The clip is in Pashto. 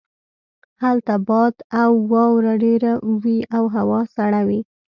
هلته باد او واوره ډیره وی او هوا سړه وي